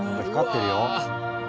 光ってるよ。